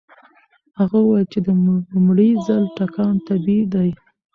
هغه وویل چې د لومړي ځل ټکان طبيعي دی.